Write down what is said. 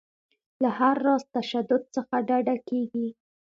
له هر راز تشدد څخه ډډه کیږي.